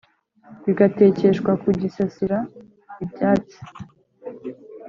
bigatekeshwa ku gisasira ibyatsi